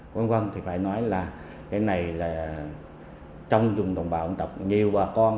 quân quân thì phải nói là cái này là trong dung đồng bào dân tộc nhiều bà con